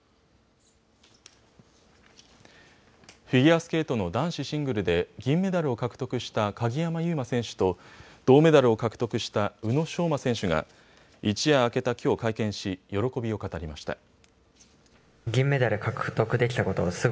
フィギュアスケートの男子シングルで銀メダルを獲得した鍵山優真選手と銅メダルを獲得した宇野昌磨選手が一夜明けたきょう会見し喜びを語りました。